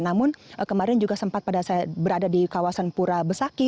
namun kemarin juga sempat pada saya berada di kawasan pura besaki